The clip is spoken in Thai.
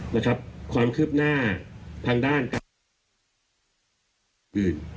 นะครับความคืบหน้าทางด้าน